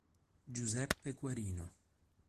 Giuseppe Guarino